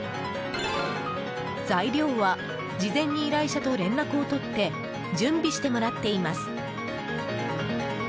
材料は、事前に依頼者と連絡を取って準備してもらっています。